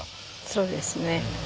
そうですね。